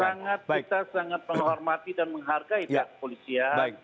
sangat kita sangat menghormati dan menghargai pihak kepolisian